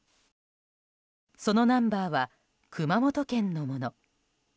そのナンバーは熊本県のもの。